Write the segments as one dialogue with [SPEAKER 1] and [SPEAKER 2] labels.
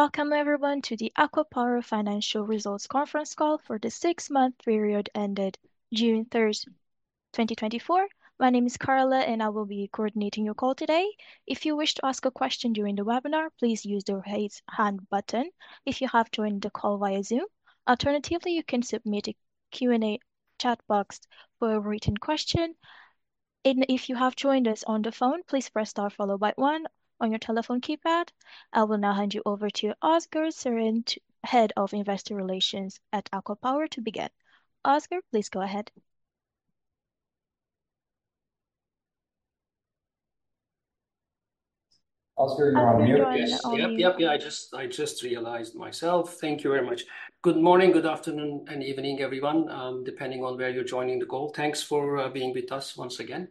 [SPEAKER 1] Welcome everyone to the ACWA Power Financial Results Conference Call for the six-month period ended June 3rd, 2024. My name is Carla, and I will be coordinating your call today. If you wish to ask a question during the webinar, please use the raise hand button if you have joined the call via Zoom. Alternatively, you can submit a Q&A chat box for a written question. If you have joined us on the phone, please press star followed by one on your telephone keypad. I will now hand you over to Ozgur Serin, Head of Investor Relations at ACWA Power to begin. Ozgur, please go ahead.
[SPEAKER 2] Ozgur, you are on mute.
[SPEAKER 1] Ozgur, you are on mute.
[SPEAKER 3] Yes. Yep. I just realized myself. Thank you very much. Good morning, good afternoon, and evening, everyone, depending on where you're joining the call. Thanks for being with us once again.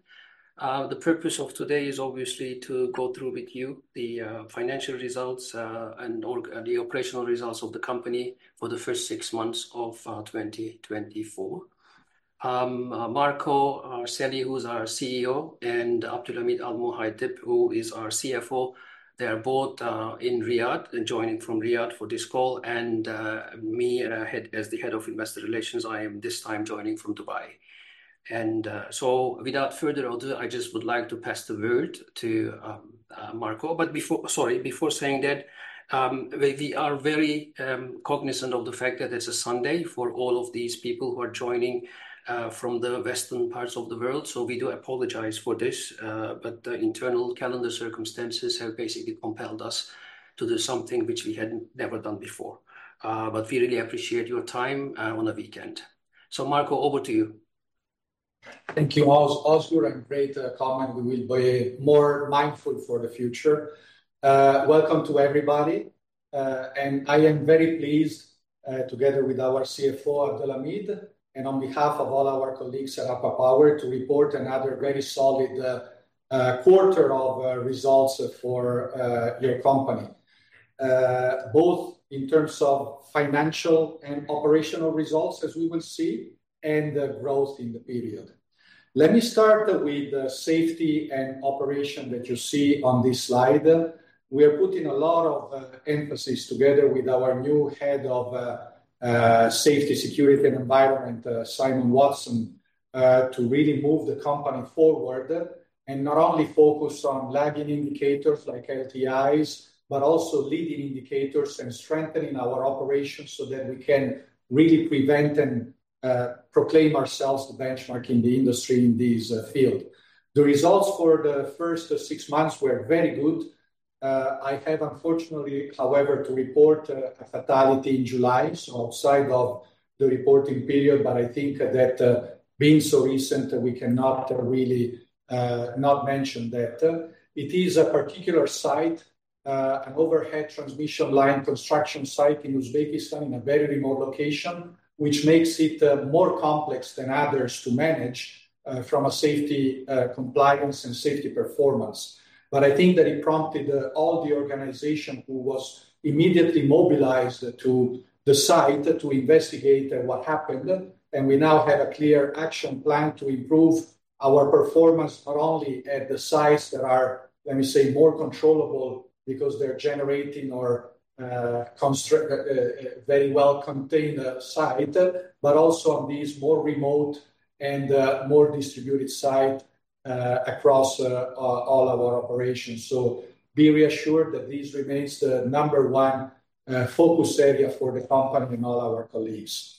[SPEAKER 3] The purpose of today is obviously to go through with you the financial results and the operational results of the company for the first six months of 2024. Marco Arcelli, who's our CEO, and Abdulhameed Al-Muhaidib, who is our CFO, they are both in Riyadh and joining from Riyadh for this call. Me as the Head of Investor Relations, I am this time joining from Dubai. Without further ado, I just would like to pass the word to Marco. Before saying that, we are very cognizant of the fact that it's a Sunday for all of these people who are joining from the western parts of the world. We do apologize for this, the internal calendar circumstances have basically compelled us to do something which we had never done before. We really appreciate your time on a weekend. Marco, over to you.
[SPEAKER 2] Thank you, Ozgur, and great comment. We will be more mindful for the future. Welcome to everybody. I am very pleased, together with our CFO, Abdulhameed, and on behalf of all our colleagues at ACWA Power, to report another very solid quarter of results for your company, both in terms of financial and operational results, as we will see, and the growth in the period. Let me start with the safety and operation that you see on this slide. We are putting a lot of emphasis together with our new head of safety, security, and environment, Simon Watson, to really move the company forward and not only focus on lagging indicators like LTIs, but also leading indicators and strengthening our operations so that we can really prevent and proclaim ourselves the benchmark in the industry in this field. The results for the first six months were very good. I have unfortunately, however, to report a fatality in July, outside of the reporting period, I think that being so recent, we cannot really not mention that. It is a particular site, an overhead transmission line construction site in Uzbekistan in a very remote location, which makes it more complex than others to manage from a safety compliance and safety performance. I think that it prompted all the organization who was immediately mobilized to the site to investigate what happened, and we now have a clear action plan to improve our performance, not only at the sites that are, let me say, more controllable because they're generating or very well contained site, but also on these more remote and more distributed site across all our operations. Be reassured that this remains the number one focus area for the company and all our colleagues.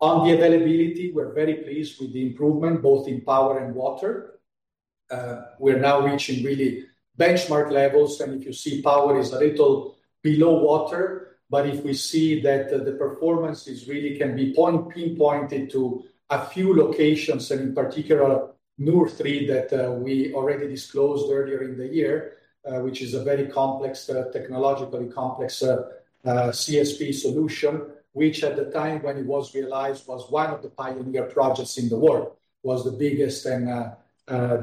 [SPEAKER 2] On the availability, we're very pleased with the improvement, both in power and water. We're now reaching really benchmark levels. If you see, power is a little below water. If we see that the performance is really can be pinpointed to a few locations, and in particular Noor 3 that we already disclosed earlier in the year, which is a very technologically complex CSP solution, which at the time when it was realized was one of the pioneer projects in the world. Was the biggest and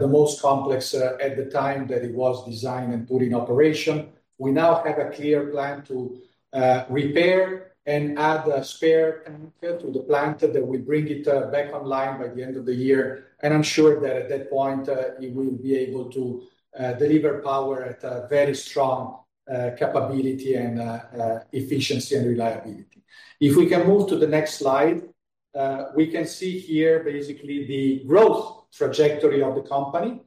[SPEAKER 2] the most complex at the time that it was designed and put in operation. We now have a clear plan to repair and add a spare to the plant that will bring it back online by the end of the year. I'm sure that at that point, it will be able to deliver power at a very strong capability and efficiency and reliability. If we can move to the next slide. We can see here basically the growth trajectory of the company.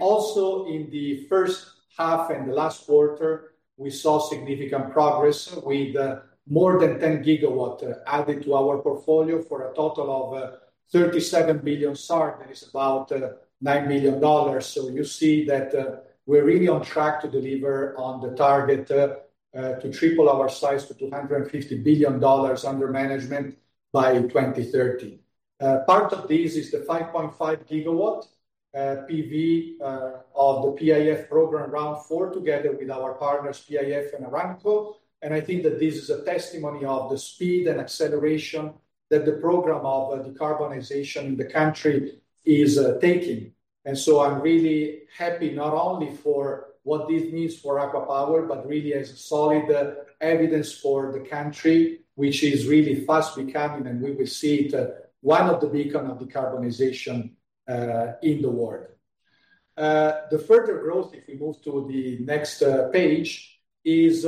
[SPEAKER 2] Also in the first half and the last quarter, we saw significant progress with more than 10 GW added to our portfolio for a total of 37 billion SAR. That is about $9 million. You see that we're really on track to deliver on the target to triple our size to $250 billion under management by 2030. Part of this is the 5.5 GW PV of the PIF program round four, together with our partners, PIF and Aramco. I think that this is a testimony of the speed and acceleration that the program of decarbonization in the country is taking. I'm really happy, not only for what this means for ACWA Power, but really as solid evidence for the country, which is really fast becoming, and we will see it, one of the beacon of decarbonization in the world. The further growth, if we move to the next page, is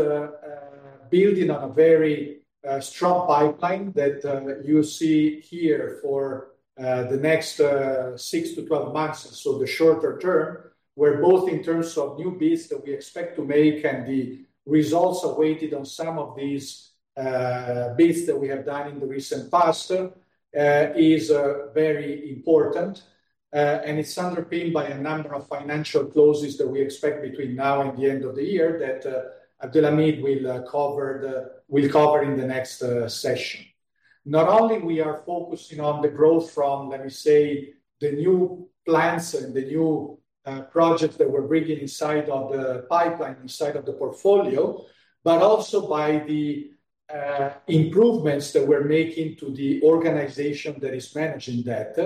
[SPEAKER 2] building on a very strong pipeline that you see here for the next six to 12 months. The shorter term, where both in terms of new bids that we expect to make and the results awaited on some of these bids that we have done in the recent past, is very important. It's underpinned by a number of financial closes that we expect between now and the end of the year that Abdulhameed will cover in the next session. Not only we are focusing on the growth from, let me say, the new plans and the new projects that we're bringing inside of the pipeline, inside of the portfolio, but also by the improvements that we're making to the organization that is managing that.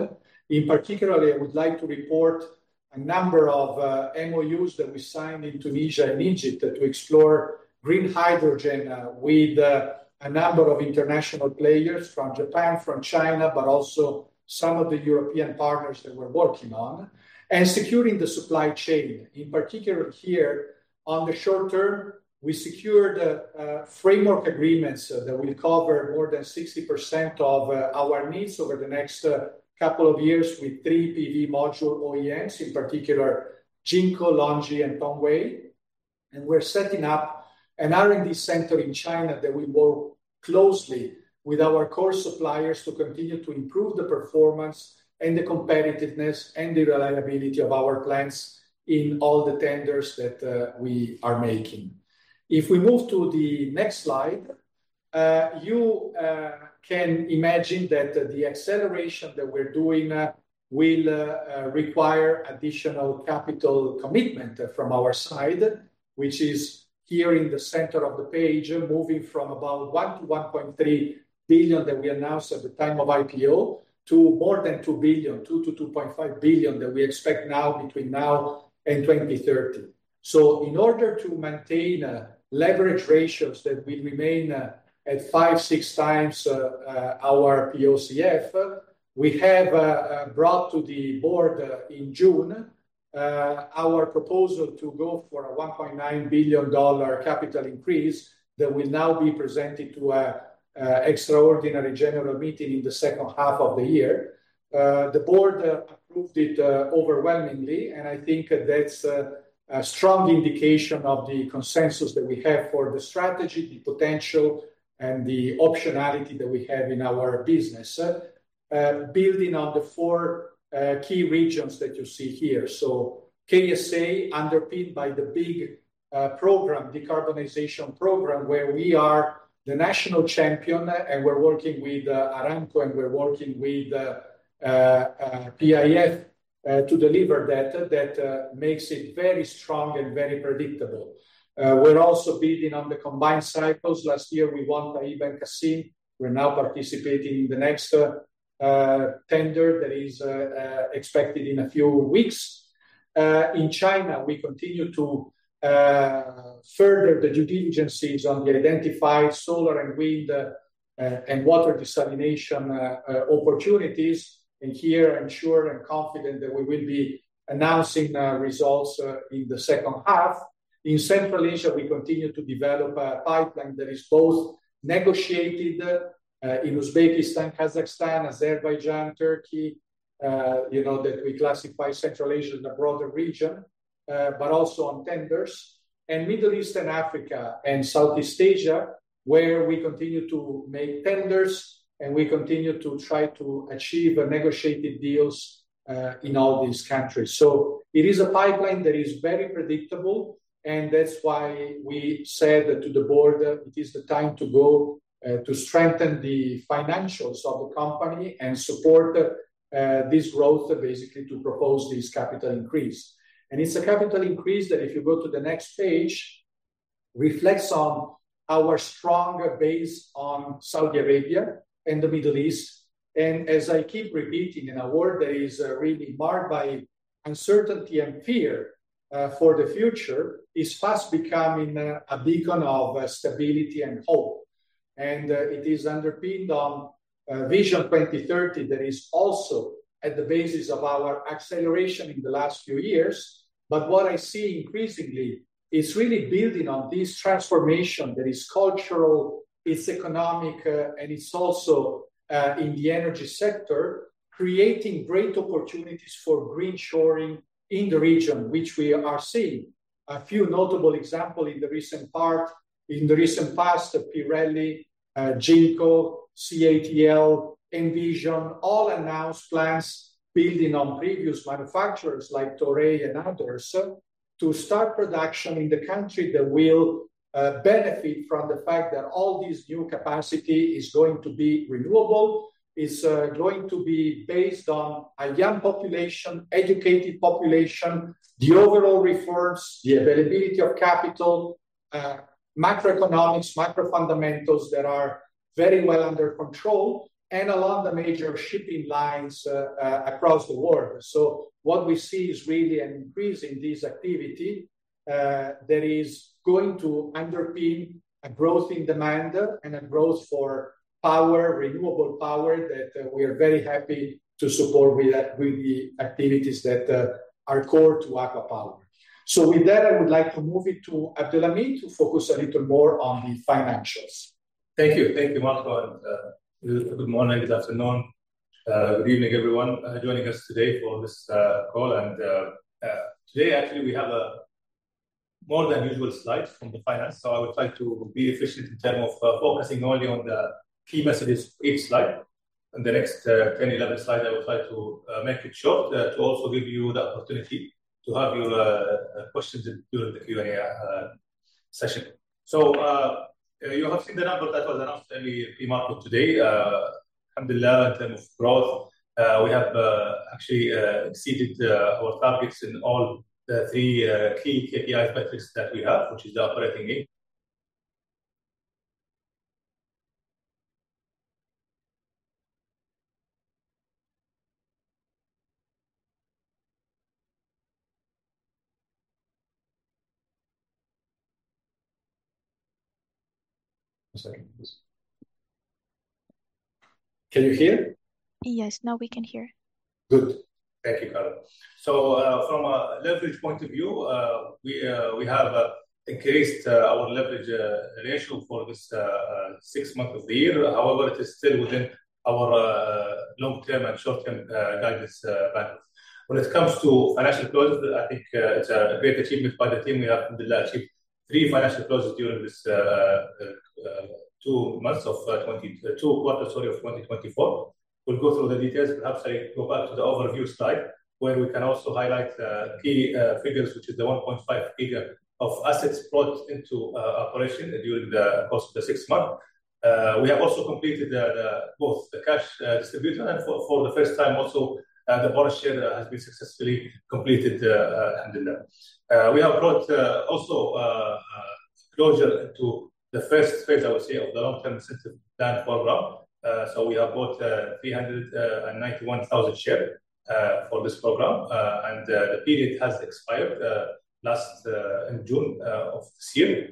[SPEAKER 2] In particular, I would like to report a number of MOUs that we signed in Tunisia and Egypt to explore green hydrogen with a number of international players from Japan, from China, but also some of the European partners that we're working on. Securing the supply chain. In particular here, on the short term, we secured framework agreements that will cover more than 60% of our needs over the next couple of years with three PV module OEMs. In particular, Jinko, LONGi, and Tongwei. We're setting up an R&D center in China that will work closely with our core suppliers to continue to improve the performance and the competitiveness and the reliability of our plants in all the tenders that we are making. If we move to the next slide. You can imagine that the acceleration that we're doing will require additional capital commitment from our side, which is here in the center of the page, moving from about $1 billion to $1.3 billion that we announced at the time of IPO, to more than $2 billion, $2 billion to $2.5 billion that we expect between now and 2030. In order to maintain leverage ratios that will remain at five-six times our POCF, we have brought to the board in June our proposal to go for a $1.9 billion capital increase that will now be presented to an Extraordinary General Meeting in the second half of the year. The board approved it overwhelmingly, and I think that's a strong indication of the consensus that we have for the strategy, the potential, and the optionality that we have in our business. Building on the four key regions that you see here. KSA, underpinned by the big decarbonization program, where we are the national champion, and we're working with Aramco, and we're working with PIF to deliver that. That makes it very strong and very predictable. We're also bidding on the combined cycles. Last year, we won Taiba and Qassim. We're now participating in the next tender that is expected in a few weeks. In China, we continue to further the due diligences on the identified solar and wind and water desalination opportunities. Here, I'm sure and confident that we will be announcing results in the second half. In Central Asia, we continue to develop a pipeline that is both negotiated, in Uzbekistan, Kazakhstan, Azerbaijan, Turkey, that we classify Central Asia in a broader region, but also on tenders. Middle East and Africa and Southeast Asia, where we continue to make tenders, and we continue to try to achieve negotiated deals in all these countries. It is a pipeline that is very predictable, and that's why we said to the board it is the time to go to strengthen the financials of the company and support this growth, basically, to propose this capital increase. It's a capital increase that, if you go to the next page, reflects on our strong base on Saudi Arabia and the Middle East. As I keep repeating, in a world that is really marred by uncertainty and fear for the future, it's fast becoming a beacon of stability and hope. It is underpinned on Vision 2030 that is also at the basis of our acceleration in the last few years. What I see increasingly, it's really building on this transformation that is cultural, it's economic, and it's also, in the energy sector, creating great opportunities for green shoring in the region, which we are seeing. A few notable examples in the recent past, Pirelli, Jinko, CATL, Envision, all announced plans building on previous manufacturers like Toray and others to start production in the country that will benefit from the fact that all this new capacity is going to be renewable, is going to be based on a young population, educated population, the overall reforms, the availability of capital. macroeconomics, micro fundamentals that are very well under control and along the major shipping lines across the world. What we see is really an increase in this activity that is going to underpin a growth in demand and a growth for renewable power that we are very happy to support with the activities that are core to ACWA Power. With that, I would like to move it to Abdelaziz to focus a little more on the financials.
[SPEAKER 4] Thank you. Thank you, Marco. Good morning, good afternoon, good evening, everyone joining us today for this call. Today, actually, we have more than usual slides from the finance. I would like to be efficient in terms of focusing only on the key messages for each slide, and the next 10, 11 slide, I would like to make it short to also give you the opportunity to have your questions during the Q&A session. You have seen the number that was announced early P market today. Alhamdulillah, in terms of growth, we have actually exceeded our targets in all the three key KPIs metrics that we have, which is the operating income. One second, please. Can you hear?
[SPEAKER 1] Yes. Now we can hear.
[SPEAKER 4] Good. Thank you, Karen. From a leverage point of view, we have increased our leverage ratio for this six month of the year. However, it is still within our long-term and short-term guidance balance. When it comes to financial close, I think it's a great achievement by the team. We have, Alhamdulillah, achieved three financial closes during this two quarter of 2024. We will go through the details. Perhaps I go back to the overview slide, where we can also highlight the key figures, which is the 1.5 giga of assets brought into operation during the course of the six month. We have also completed both the cash distribution and for the first time also, the bonus share has been successfully completed, Alhamdulillah. We have brought also closure to the first phase, I would say, of the Long-Term Incentive Plan program. We have bought 391,000 share for this program, the period has expired last in June of this year.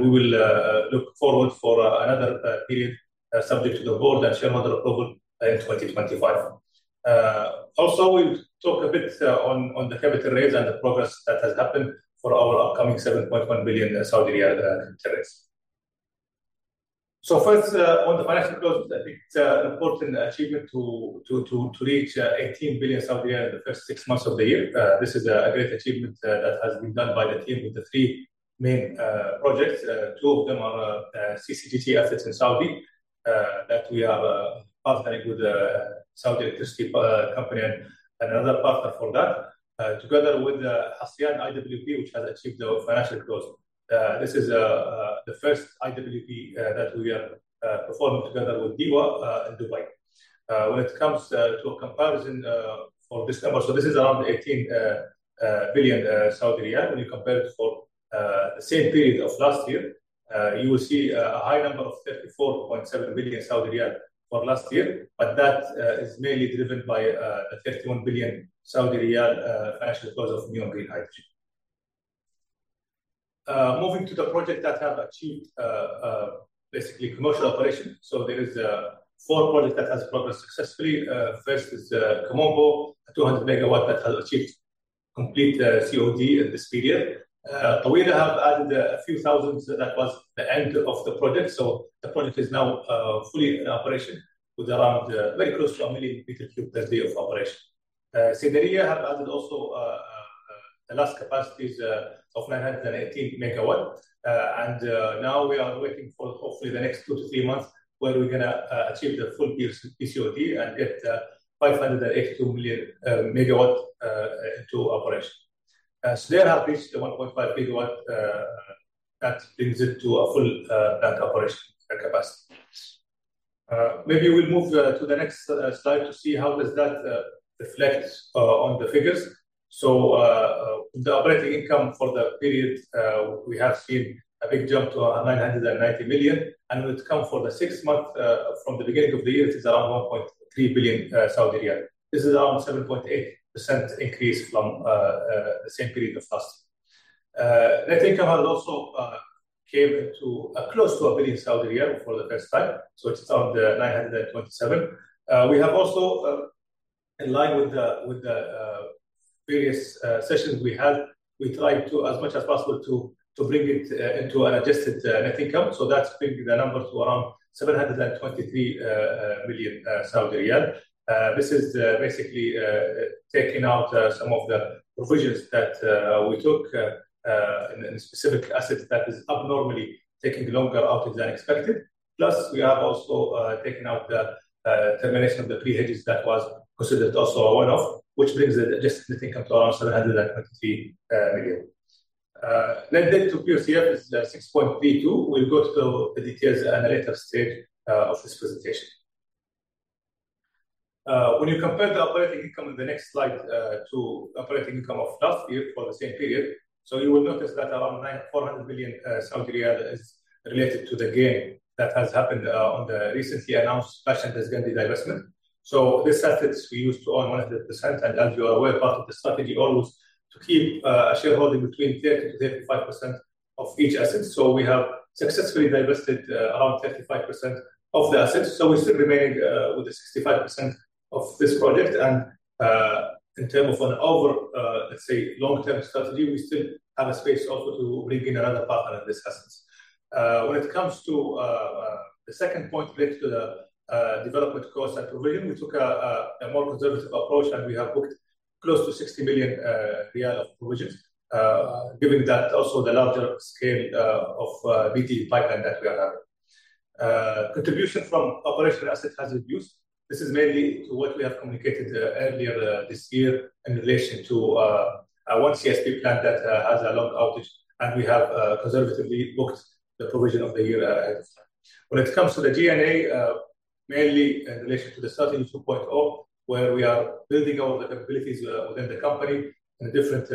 [SPEAKER 4] We will look forward for another period subject to the board and share another approval in 2025. Also, we will talk a bit on the capital raise and the progress that has happened for our upcoming 7.1 billion in Terres. First, on the financial closes, I think it's an important achievement to reach 18 billion in the first six months of the year. This is a great achievement that has been done by the team with the three main projects. Two of them are CCGT assets in Saudi, that we have a partnering with a Saudi Electricity Company and another partner for that. Together with Hassyan IWP, which has achieved the financial close. This is the first IWP that we are performing together with DEWA in Dubai. When it comes to a comparison for this number, this is around 18 billion Saudi riyal. When you compare it for same period of last year, you will see a high number of 34.7 billion Saudi riyal for last year, but that is mainly driven by a 31 billion Saudi riyal financial close of NEOM Green Hydrogen. Moving to the project that have achieved commercial operation. There is four projects that has progressed successfully. First is Kom Ombo, 200 MW that has achieved complete COD in this period. Al Taweelah have added a few thousand, that was the end of the project. The project is now fully in operation with around very close to 1 million meter cube per day of operation. Sirdarya have added also the last capacities of 918 MW. Now we are waiting for hopefully the next two to three months where we are going to achieve the full year COD and get 582 million MW into operation. Sudair have reached the 1.5 GW. That brings it to a full plant operation capacity. Maybe we will move to the next slide to see how does that reflect on the figures. The operating income for the period, we have seen a big jump to 990 million. When it come for the six month from the beginning of the year, it is around 1.3 billion Saudi riyal. This is around 7.8% increase from the same period of last year. Net income had also came close to 1 billion Saudi riyal for the first time. It is around 927 million. We have also, in line with the previous sessions we had, we tried to as much as possible to bring it into an adjusted net income. That is bringing the number to around 723 million. This is taking out some of the provisions that we took in a specific asset that is abnormally taking longer outage than expected. Plus, we have also taken out the termination of the three hedges that was considered also a one-off, which brings the adjusted net income to around 723 million. Net debt to POCF is 6.32x. We will go to the details at a later stage of this presentation. When you compare the operating income in the next slide to operating income of last year for the same period, you will notice that around 400 million Saudi riyal is related to the gain that has happened on the recently announced Bash & Dzhankeldy divestment. These assets we used to own 100%, and as you are aware, part of the strategy always to keep a shareholding between 30%-35% of each asset. We have successfully divested around 35% of the assets. We are still remaining with the 65% of this project. In term of an over, let's say, long-term strategy, we still have a space also to bring in another partner in this assets. When it comes to the second point related to the development cost and provision, we took a more conservative approach, and we have booked close to 60 million riyal of provisions, given that also the larger scale of BT pipeline that we are having. Contribution from operational assets has reduced. This is mainly to what we have communicated earlier this year in relation to one CSP plant that has a long outage, and we have conservatively booked the provision of the year ahead. When it comes to the G&A, mainly in relation to the Strategy 2.0, where we are building all the capabilities within the company and different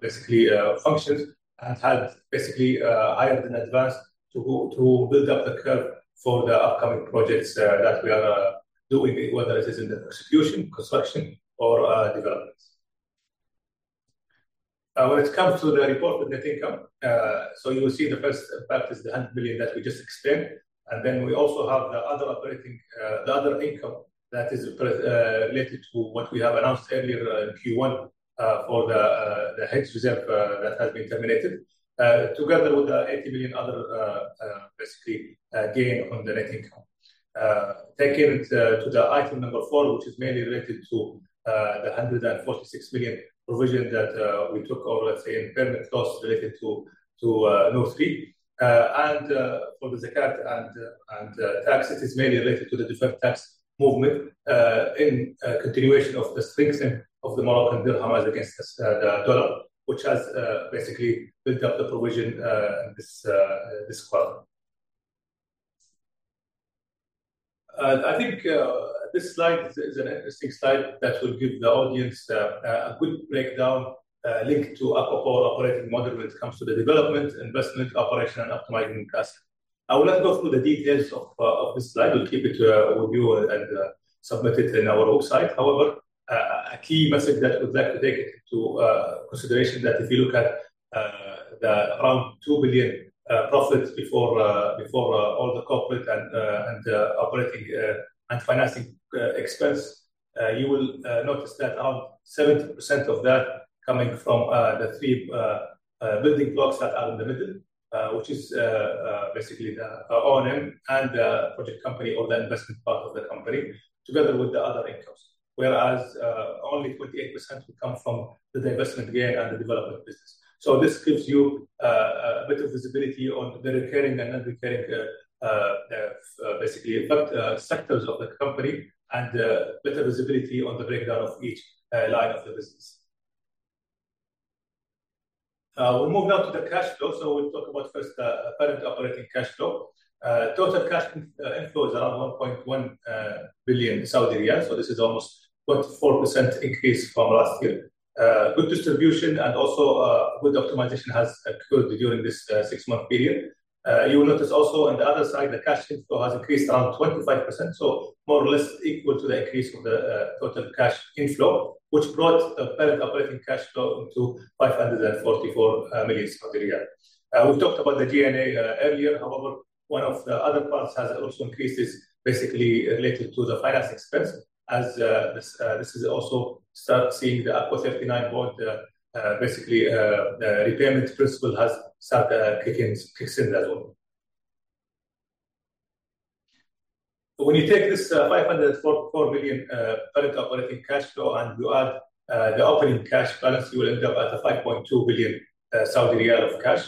[SPEAKER 4] basically functions and had basically hired in advance to build up the curve for the upcoming projects that we are doing, whether it is in the execution, construction, or developments. When it comes to the report of net income, you will see the first impact is the 100 million that we just explained, we also have the other income that is related to what we have announced earlier in Q1 for the hedge reserve that has been terminated, together with the 80 million other basically gain on the net income. Taking it to the item number 4, which is mainly related to the 246 million provision that we took over, let's say, impairment costs related to North Field and for the Zakat and tax, it is mainly related to the different tax movement in continuation of the strengthening of the Moroccan dirham against the USD, which has basically built up the provision this quarter. I think this slide is an interesting slide that will give the audience a good breakdown link to ACWA Power operating model when it comes to the development, investment, operation, and optimizing asset. I will not go through the details of this slide. We'll keep it with you and submit it in our website. However, a key message that we'd like to take into consideration that if you look at around 2 billion profits before all the corporate and operating and financing expense, you will notice that around 70% of that coming from the three building blocks that are in the middle, which is basically the O&M and the project company or the investment part of the company, together with the other incomes. Whereas only 28% will come from the divestment gain and the development business. This gives you a better visibility on the recurring and non-recurring basically effect sectors of the company and better visibility on the breakdown of each line of the business. We move now to the cash flow. We'll talk about first Parent Operating Cash Flow. Total cash inflow is around 1.1 billion Saudi riyal, this is almost 24% increase from last year. Good distribution and also good optimization has occurred during this six-month period. You will notice also on the other side, the cash inflow has increased around 25%, more or less equal to the increase of the total cash inflow, which brought the Parent Operating Cash Flow into 544 million. We've talked about the G&A earlier. However, one of the other parts has also increased is basically related to the finance expense as this is also start seeing the ACWA '39 bond, basically the repayment principle has started kicks in as well. So when you take this 544 million Parent Operating Cash Flow and you add the opening cash balance, you will end up at 5.2 billion Saudi riyal of cash.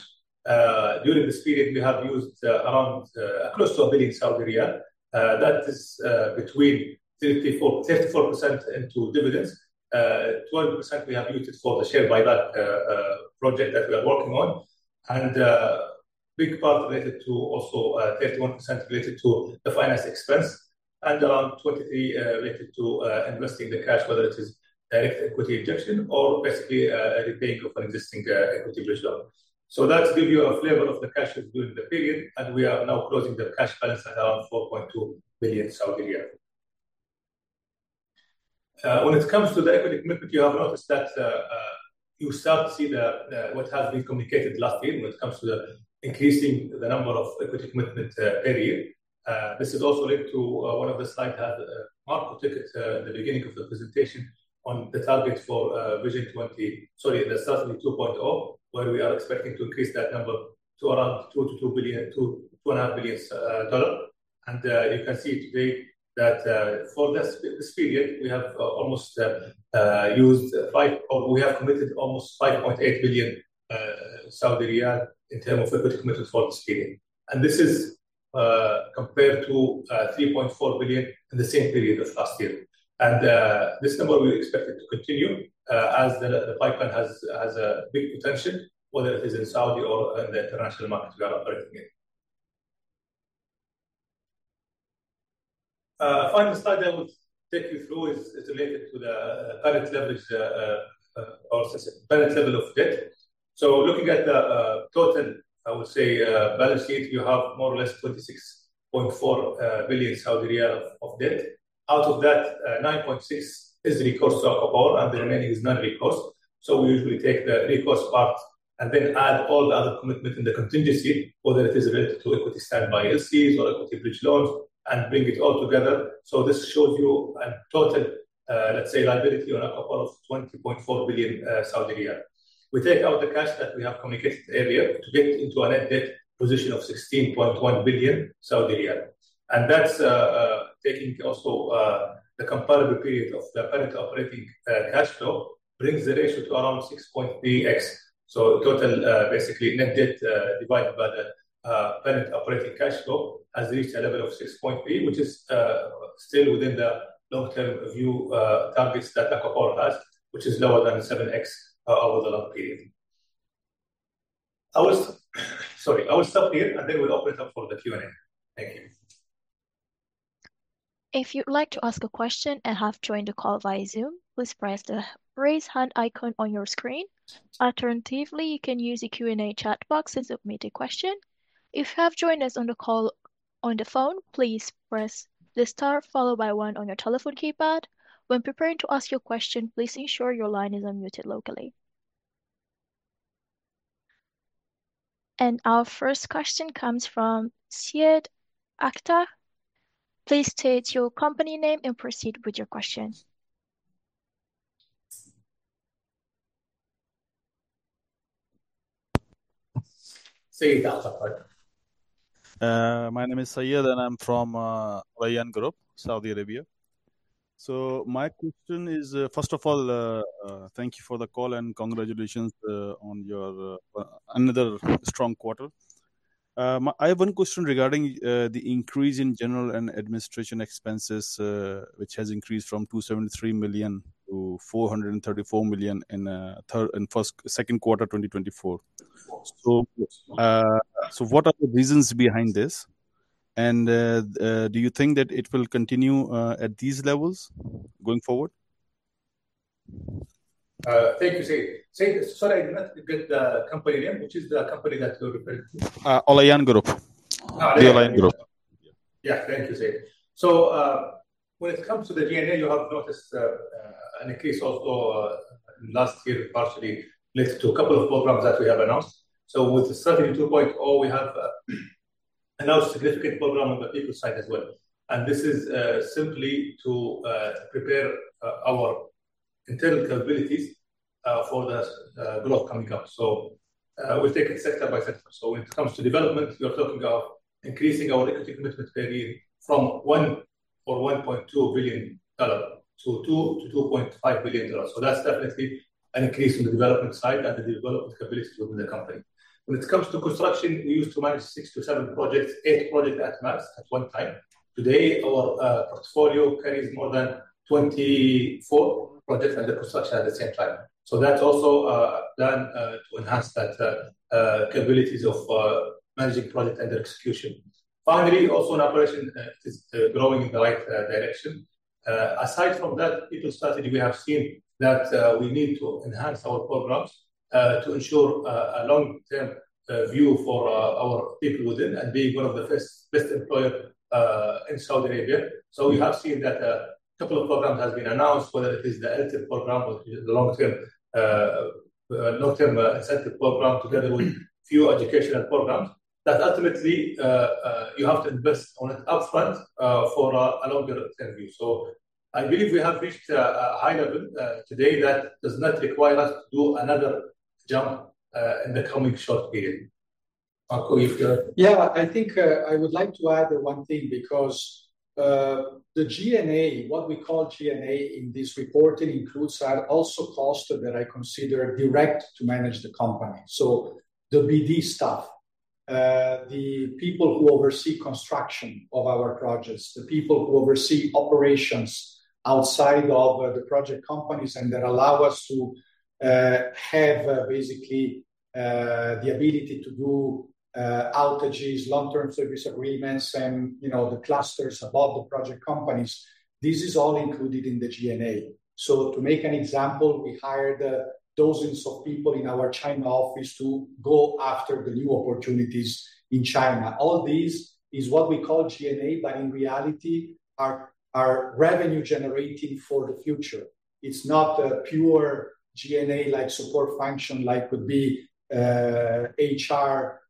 [SPEAKER 4] During this period, we have used around close to 1 billion Saudi riyal. That is between 34% into dividends. 12% we have used for the Shaiba project that we are working on, and a big part related to also 31% related to the finance expense and around 23% related to investing the cash, whether it is direct equity injection or basically a repaying of an existing equity bridge loan. So that give you a flavor of the cash flow during the period, and we are now closing the cash balance at around 4.2 billion. When it comes to the equity commitment, you have noticed that you start to see what has been communicated last year when it comes to the increasing the number of equity commitment period. This is also linked to one of the slide that Marco took at the beginning of the presentation on the targets for Vision, the Strategy 2.0, where we are expecting to increase that number to around $2.5 billion. And you can see today that for this period, we have committed almost 5.8 billion Saudi riyal in term of equity commitment for this period. And this is compared to 3.4 billion in the same period of last year. This number we expect it to continue, as the pipeline has a big potential, whether it is in Saudi or in the international markets we are operating in. Final slide I will take you through is related to the current levels, or current level of debt. So looking at the total, I would say, balance sheet, you have more or less 26.4 billion Saudi riyal of debt. Out of that, 9.6 billion is recourse to ACWA Power and the remaining is non-recourse. So we usually take the recourse part and then add all the other commitment in the contingency, whether it is related to equity standby LCs or equity bridge loans, and bring it all together. So this shows you a total, let's say, liability on ACWA Power of 20.4 billion Saudi riyal. We take out the cash that we have communicated earlier to get into a net debt position of 16.1 billion Saudi riyal. And that's taking also the comparable period of the Parent Operating Cash Flow, brings the ratio to around 6.8x. So total basically net debt divided by the Parent Operating Cash Flow has reached a level of 6.8x, which is still within the long-term view targets that ACWA Power has, which is lower than 7x over the long period. I will, sorry. I will stop here, and then we'll open it up for the Q&A. Thank you.
[SPEAKER 1] If you'd like to ask a question and have joined the call via Zoom, please press the raise hand icon on your screen. Alternatively, you can use the Q&A chat box to submit a question. If you have joined us on the call on the phone, please press the star followed by one on your telephone keypad. When preparing to ask your question, please ensure your line is unmuted locally. Our first question comes from Syed Akhtar. Please state your company name and proceed with your question.
[SPEAKER 4] Syed Akhtar.
[SPEAKER 5] My name is Syed, and I'm from Olayan Group, Saudi Arabia. My question is, first of all, thank you for the call, congratulations on your another strong quarter. I have one question regarding the increase in general and administration expenses, which has increased from 273 million to 434 million in second quarter 2024. What are the reasons behind this, and do you think that it will continue at these levels going forward?
[SPEAKER 4] Thank you, Syed. Syed, sorry, I did not get the company name. Which is the company that you're referring to?
[SPEAKER 5] Olayan Group.
[SPEAKER 4] Olayan.
[SPEAKER 5] Olayan Group. Yeah.
[SPEAKER 4] Yeah. Thank you, Syed. When it comes to the G&A, you have noticed an increase also last year, partially related to a couple of programs that we have announced. With the 32.0, we have announced significant program on the people side as well. This is simply to prepare our internal capabilities for the growth coming up. We take it sector by sector. When it comes to development, we are talking about increasing our equity commitment maybe from 1 or SAR 1.2 billion to 2 to SAR 2.5 billion. That's definitely an increase in the development side and the development capabilities within the company. When it comes to construction, we used to manage six to seven projects, eight projects at max at one time. Today, our portfolio carries more than 24 projects under construction at the same time. That's also planned to enhance that capabilities of managing project under execution. Finally, also on operation, it is growing in the right direction. Aside from that people strategy, we have seen that we need to enhance our programs to ensure a long-term view for our people within and being one of the best employer in Saudi Arabia. We have seen that a couple of programs has been announced, whether it is the L10 program or the Long-Term Incentive Program, together with few educational programs, that ultimately you have to invest on it upfront for a longer-term view. I believe we have reached a high level today that does not require us to do another jump in the coming short period. Marco, you have-
[SPEAKER 2] Yeah. I think I would like to add one thing because the G&A, what we call G&A in this reporting includes are also cost that I consider direct to manage the company. The BD staff, the people who oversee construction of our projects, the people who oversee operations outside of the project companies and that allow us to have basically the ability to do outages, long-term service agreements, and the clusters above the project companies. This is all included in the G&A. To make an example, we hired dozens of people in our China office to go after the new opportunities in China. All this is what we call G&A, but in reality are revenue-generating for the future. It's not a pure G&A like support function like would be HR,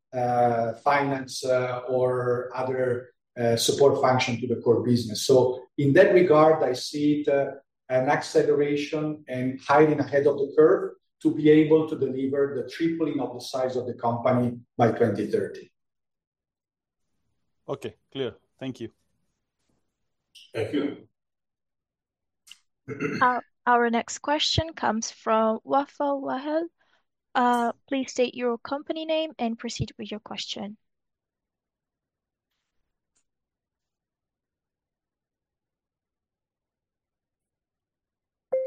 [SPEAKER 2] finance, or other support function to the core business. In that regard, I see it an acceleration and hiring ahead of the curve to be able to deliver the tripling of the size of the company by 2030.
[SPEAKER 5] Okay. Clear. Thank you.
[SPEAKER 4] Thank you.
[SPEAKER 1] Our next question comes from Wafa Wael. Please state your company name and proceed with your question.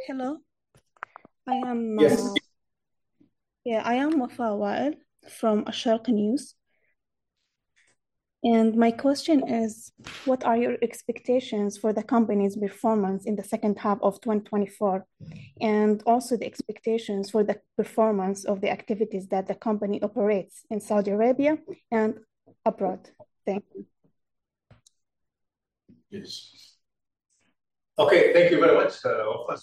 [SPEAKER 6] Hello.
[SPEAKER 4] Yes
[SPEAKER 6] yeah, I am Wafa Wael from Asharq News. My question is, what are your expectations for the company's performance in the second half of 2024, and also the expectations for the performance of the activities that the company operates in Saudi Arabia and abroad? Thank you.
[SPEAKER 4] Yes. Okay, thank you very much, Wafa.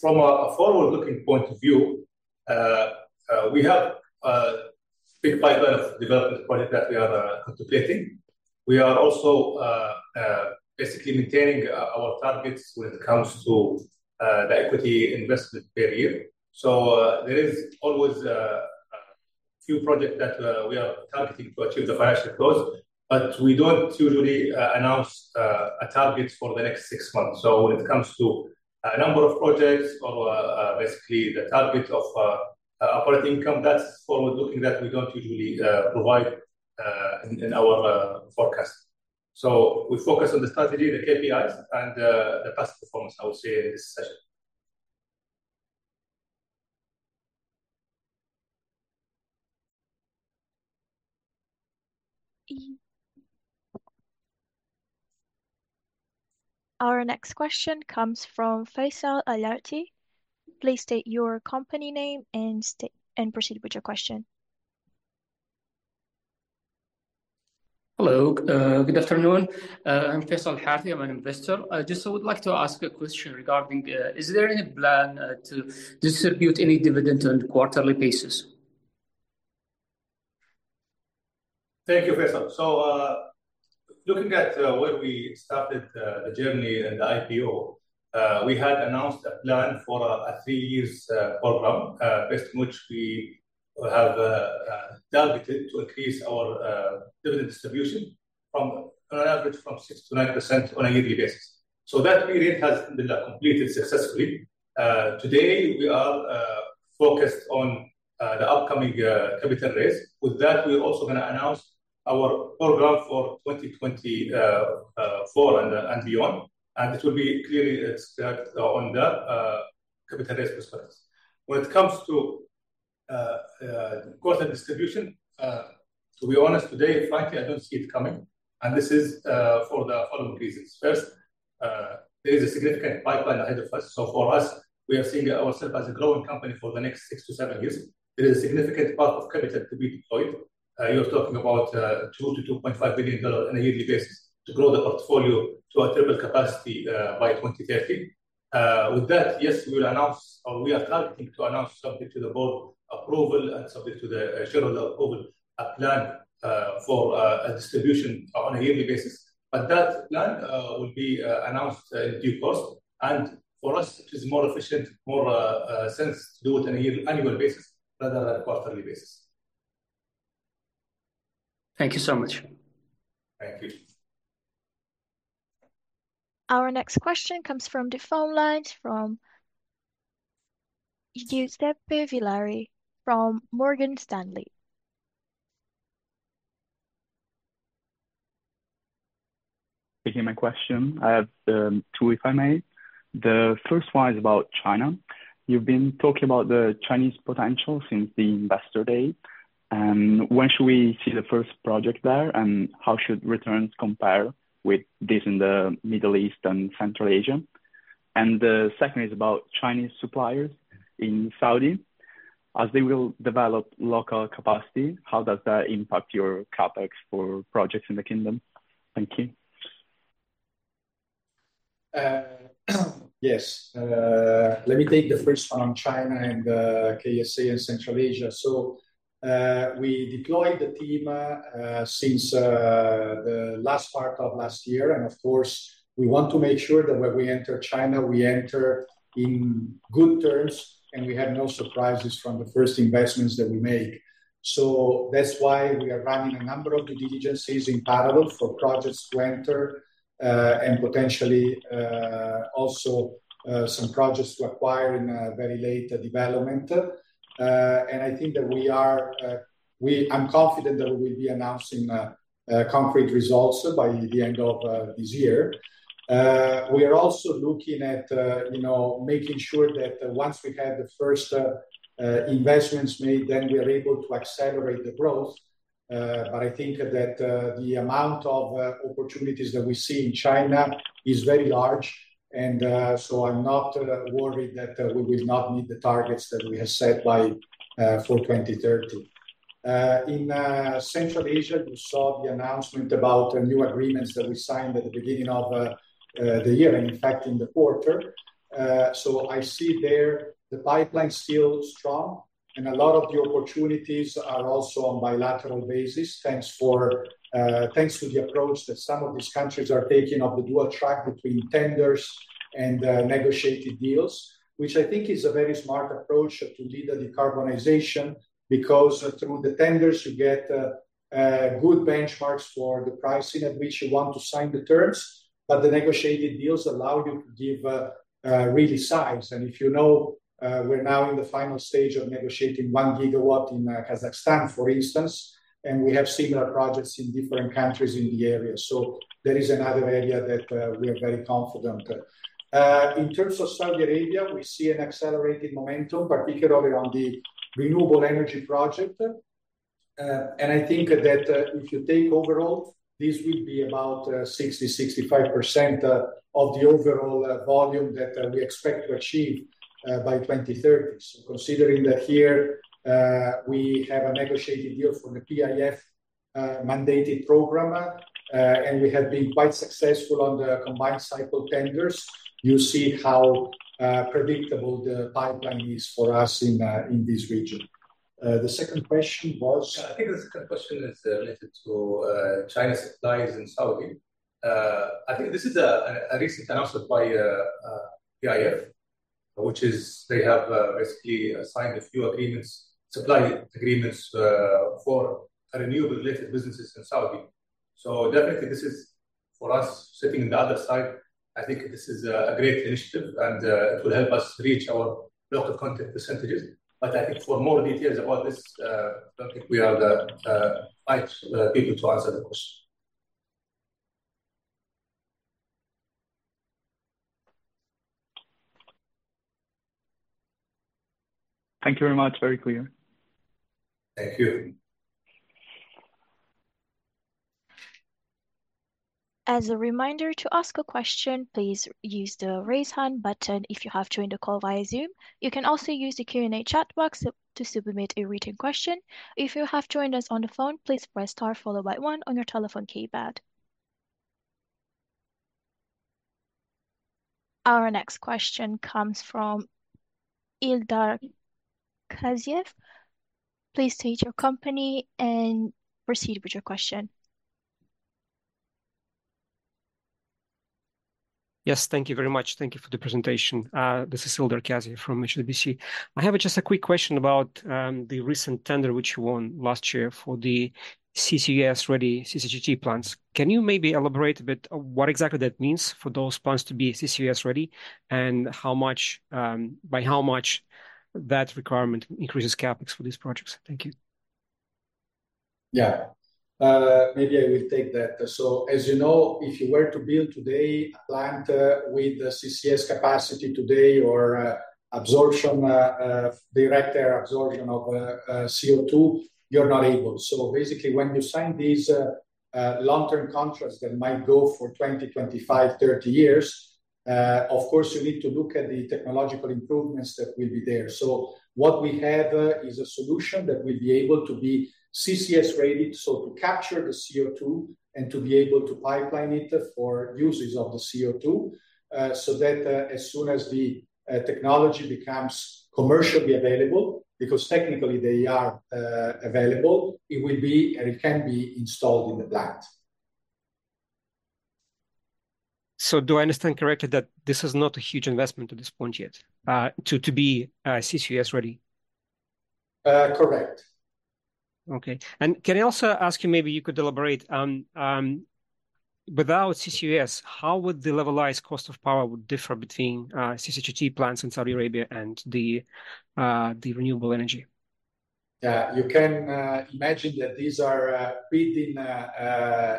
[SPEAKER 4] From a forward-looking point of view, we have a big pipeline of development projects that we are contemplating. We are also basically maintaining our targets when it comes to the equity investment per year. There is always a few projects that we are targeting to achieve the financial close, but we don't usually announce a target for the next six months. When it comes to a number of projects or basically the target of operating income, that's forward-looking that we don't usually provide in our forecast. We focus on the strategy, the KPIs and the past performance, I would say, in this session.
[SPEAKER 1] Our next question comes from Faisal AlHarthy. Please state your company name and proceed with your question.
[SPEAKER 7] Hello. Good afternoon. I'm Faisal AlHarthy, I'm an investor. I just would like to ask a question regarding, is there any plan to distribute any dividend on quarterly basis?
[SPEAKER 4] Thank you, Faisal. Looking at where we started the journey and the IPO, we had announced a plan for a three years program, based on which we have targeted to increase our dividend distribution from an average from 6% to 9% on a yearly basis. That period has been completed successfully. Today, we are focused on the upcoming capital raise. With that, we're also going to announce our program for 2024 and beyond. It will be clearly set on the capital raise proceeds. When it comes to quarter distribution, to be honest today, frankly, I don't see it coming. This is for the following reasons. First, there is a significant pipeline ahead of us. For us, we are seeing ourself as a growing company for the next six to seven years. There is a significant part of capital to be deployed. You're talking about 2 billion to SAR 2.5 billion on a yearly basis to grow the portfolio to a triple capacity by 2030. With that, yes, we are targeting to announce subject to the board approval and subject to the shareholder approval a plan for a distribution on a yearly basis. That plan will be announced in due course. For us, it is more efficient, more sense to do it on a annual basis rather than a quarterly basis.
[SPEAKER 7] Thank you so much.
[SPEAKER 4] Thank you.
[SPEAKER 1] Our next question comes from the phone lines from Giuseppe Villari from Morgan Stanley.
[SPEAKER 8] Thank you. My question, I have two, if I may. The first one is about China. You've been talking about the Chinese potential since the investor day. When should we see the first project there, and how should returns compare with this in the Middle East and Central Asia? The second is about Chinese suppliers in Saudi. As they will develop local capacity, how does that impact your CapEx for projects in the kingdom? Thank you.
[SPEAKER 4] Yes. Let me take the first one on China and KSA and Central Asia. We deployed the team since the last part of last year. Of course, we want to make sure that when we enter China, we enter in good terms, and we have no surprises from the first investments that we make. That's why we are running a number of due diligences in parallel for projects to enter, and potentially, also some projects to acquire in very late development. I think that I'm confident that we'll be announcing concrete results by the end of this year. We are also looking at making sure that once we have the first investments made, we are able to accelerate the growth. I think that the amount of opportunities that we see in China is very large, I'm not worried that we will not meet the targets that we have set for 2030. In Central Asia, you saw the announcement about new agreements that we signed at the beginning of the year and in fact, in the quarter. I see there the pipeline still strong and a lot of the opportunities are also on bilateral basis. Thanks to the approach that some of these countries are taking of the dual track between tenders and negotiated deals, which I think is a very smart approach to lead the decarbonization. Through the tenders you get good benchmarks for the pricing at which you want to sign the terms. The negotiated deals allow you to give really size. If you know, we're now in the final stage of negotiating 1 gigawatt in Kazakhstan, for instance, and we have similar projects in different countries in the area. There is another area that we are very confident. In terms of Saudi Arabia, we see an accelerated momentum, particularly around the renewable energy project.
[SPEAKER 2] I think that if you take overall, this will be about 60%-65% of the overall volume that we expect to achieve by 2030. Considering that here we have a negotiated deal from the PIF-mandated program, and we have been quite successful on the combined cycle tenders, you see how predictable the pipeline is for us in this region. The second question was?
[SPEAKER 4] I think the second question is related to China supplies and Saudi. I think this is a recent announcement by PIF, which is they have basically signed a few supply agreements for renewable related businesses in Saudi. Definitely for us sitting on the other side, I think this is a great initiative and it will help us reach our local content percentages. I think for more details about this, I don't think we are the right people to answer the question.
[SPEAKER 8] Thank you very much. Very clear.
[SPEAKER 4] Thank you.
[SPEAKER 1] As a reminder, to ask a question, please use the raise hand button if you have joined the call via Zoom. You can also use the Q&A chat box to submit a written question. If you have joined us on the phone, please press star followed by one on your telephone keypad. Our next question comes from Ildar Kaziev. Please state your company and proceed with your question.
[SPEAKER 9] Yes, thank you very much. Thank you for the presentation. This is Ildar Kaziev from HSBC. I have just a quick question about the recent tender which you won last year for the CCUS-ready CCGT plants. Can you maybe elaborate a bit what exactly that means for those plants to be CCUS ready, and by how much that requirement increases CapEx for these projects? Thank you.
[SPEAKER 2] Yeah. Maybe I will take that. As you know, if you were to build today a plant with CCUS capacity today or direct air absorption of CO2, you're not able. Basically when you sign these long-term contracts that might go for 20, 25, 30 years, of course you need to look at the technological improvements that will be there. What we have is a solution that will be able to be CCUS ready, so to capture the CO2 and to be able to pipeline it for uses of the CO2, so that as soon as the technology becomes commercially available, because technically they are available, it can be installed in the plant.
[SPEAKER 9] Do I understand correctly that this is not a huge investment at this point yet to be CCUS ready?
[SPEAKER 2] Correct.
[SPEAKER 9] Okay. Can I also ask you, maybe you could elaborate, without CCUS, how would the levelized cost of power differ between CCGT plants in Saudi Arabia and the renewable energy?
[SPEAKER 2] You can imagine that these are bidding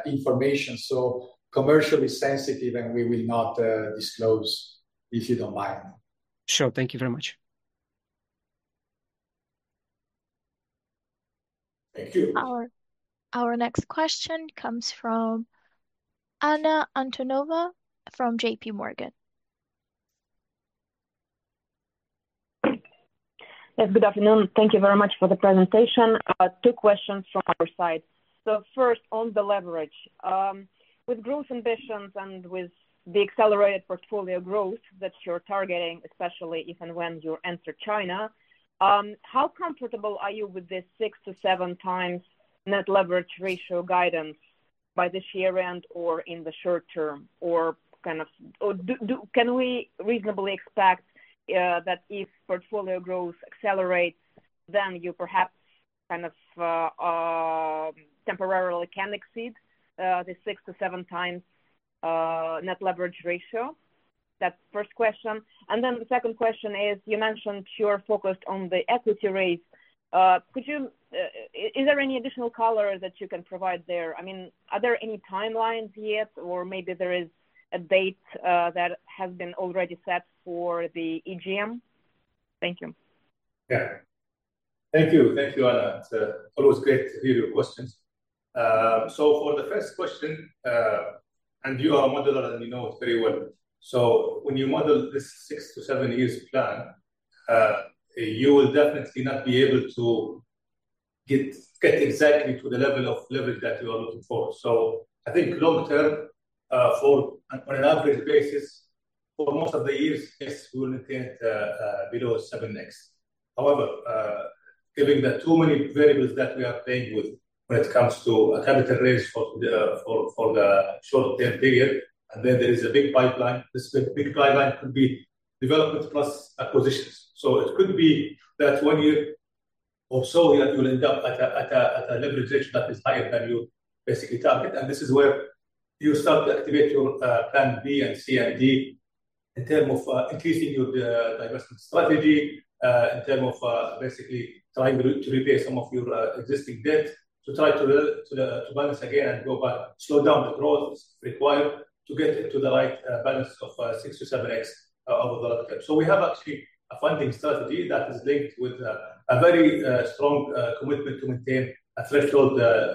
[SPEAKER 2] information, so commercially sensitive, we will not disclose, if you don't mind.
[SPEAKER 9] Sure. Thank you very much.
[SPEAKER 2] Thank you.
[SPEAKER 1] Our next question comes from Anna Antonova from J.P. Morgan.
[SPEAKER 10] Yes, good afternoon. Thank you very much for the presentation. Two questions from our side. First on the leverage. With growth ambitions and with the accelerated portfolio growth that you're targeting, especially if and when you enter China, how comfortable are you with this 6 to 7 times net leverage ratio guidance by this year-end or in the short-term? Can we reasonably expect that if portfolio growth accelerates, then you perhaps temporarily can exceed the 6 to 7 times net leverage ratio? That's the first question. The second question is, you mentioned you are focused on the equity raise. Is there any additional color that you can provide there? Are there any timelines yet, or maybe there is a date that has been already set for the EGM? Thank you.
[SPEAKER 4] Thank you. Thank you, Anna. It's always great to hear your questions. For the first question, you are a modeler and you know it very well. When you model this 6 to 7 years plan, you will definitely not be able to get exactly to the level of leverage that you are looking for. I think long-term, on an average basis, for most of the years, yes, we will maintain at below 7x. However, given that too many variables that we are playing with when it comes to a capital raise for the short-term period, there is a big pipeline. This big pipeline could be development plus acquisitions. It could be that one year or so that you will end up at a leverage ratio that is higher than you basically target. This is where you start to activate your plan B and C and D in terms of increasing your divestment strategy, in terms of basically trying to repay some of your existing debt to try to balance again and go back, slow down the growth required to get to the right balance of 6 to 7x over the long-term. We have actually a funding strategy that is linked with a very strong commitment to maintain a threshold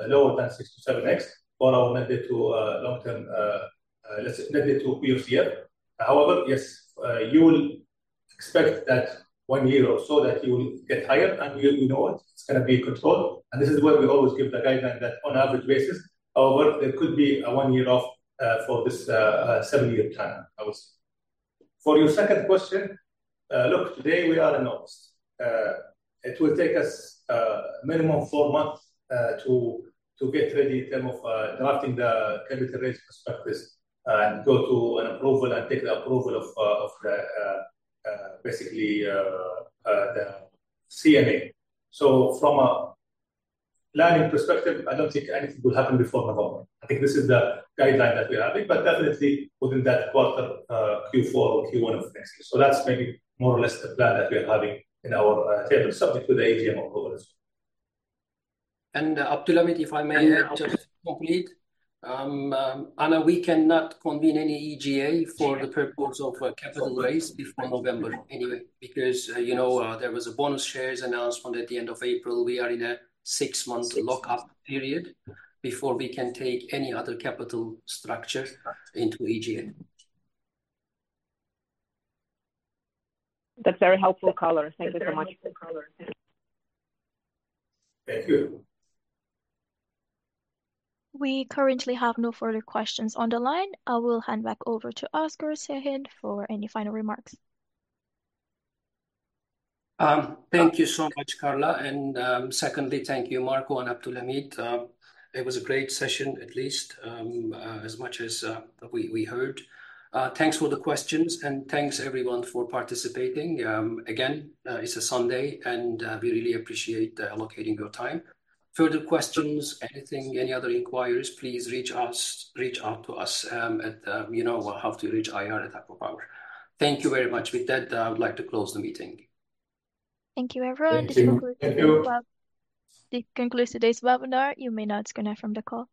[SPEAKER 4] lower than 6 to 7x for our mandate to long-term Let's leave it to POCF. However, yes, you will expect that one year or so that you will get higher and you know it's going to be controlled. This is why we always give the guideline that on an average basis. However, there could be a one year off for this 7-year time. For your second question, look, today we are in August. It will take us minimum 4 months to get ready in terms of drafting the capital raise prospectus and go to an approval and take the approval of basically the CMA. From a planning perspective, I don't think anything will happen before November. I think this is the guideline that we are having, but definitely within that quarter, Q4 or Q1 of next year. That's maybe more or less the plan that we are having in our table, subject to the AGM approvals.
[SPEAKER 3] Abdulhameed, if I may just complete. Anna, we cannot convene any EGM for the purpose of a capital raise before November anyway, because there was a bonus shares announcement at the end of April. We are in a six-month lock-up period before we can take any other capital structure into EGM.
[SPEAKER 10] That's very helpful, Carla. Thank you so much.
[SPEAKER 4] Thank you.
[SPEAKER 1] We currently have no further questions on the line. I will hand back over to Oscar Sahin for any final remarks.
[SPEAKER 3] Thank you so much, Carla. Secondly, thank you, Marco and Abdulhameed. It was a great session, at least as much as we heard. Thanks for the questions and thanks everyone for participating. Again, it is a Sunday and we really appreciate allocating your time. Further questions, anything, any other inquiries, please reach out to us at, you know how to reach IR at ACWA Power. Thank you very much. With that, I would like to close the meeting.
[SPEAKER 1] Thank you, everyone.
[SPEAKER 4] Thank you.
[SPEAKER 1] This concludes today's webinar. You may now disconnect from the call.